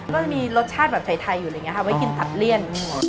ก็มีรสชาติไทยอยู่เลยไงฮะไว้กินตัดเลี่ยน